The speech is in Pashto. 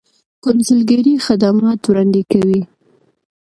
کونسلګرۍ خدمات وړاندې کوي